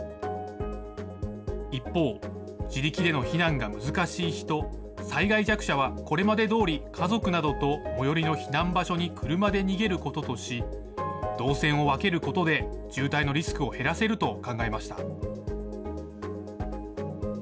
一方、自力での避難が難しい人、災害弱者は、これまでどおり家族などと最寄りの避難場所に車で逃げることとし、動線を分けることで渋滞のリスクを減らせると考えました。